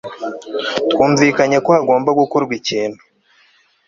twumvikanye ko hagomba gukorwa ikintu